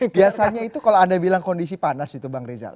biasanya itu kalau anda bilang kondisi panas gitu bang rizal